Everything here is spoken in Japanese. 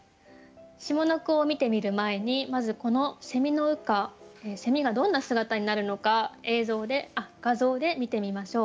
下の句を見てみる前にまずこのの羽化がどんな姿になるのか画像で見てみましょう。